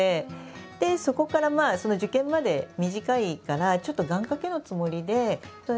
でそこから受験まで短いからちょっと願かけのつもりで。